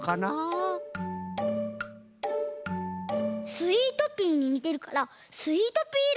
スイートピーににてるからスイートピーいろ？